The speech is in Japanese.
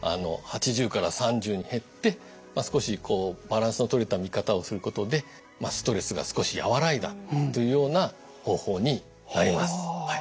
８０から３０に減って少しこうバランスのとれた見方をすることでストレスが少し和らいだというような方法になります。